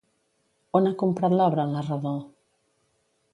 On ha comprat l'obra el narrador?